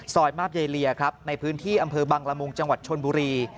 มาบใยเลียครับในพื้นที่อำเภอบังละมุงจังหวัดชนบุรี